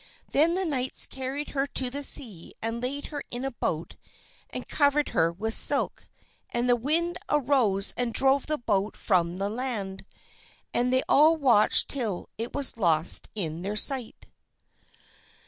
Then the knights carried her to the sea and laid her in a boat and covered her with silk, and the wind arose and drove the boat from the land, and they all watched it till it was lost to their sight.